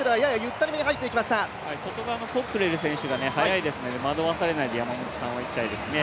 外側のコックレル選手が速いですから惑わされずに山本さんはいきたいですね。